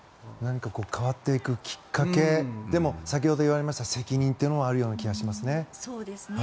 変わっていくきっかけでも、先ほど言われました責任というのもあるような気がしますね。